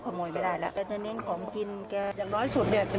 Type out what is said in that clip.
ก็ถือว่าเร็วที่สุดแล้ว